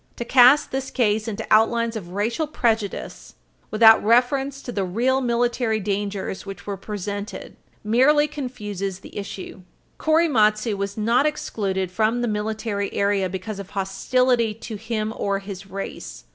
To cast this case into outlines of racial prejudice, without reference to the real military dangers which were presented, merely confuses the issue. Korematsu was not excluded from the Military Area because of hostility to him or his race.